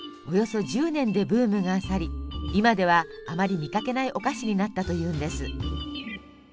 およそ１０年でブームが去り今ではあまり見かけないお菓子になったというんです。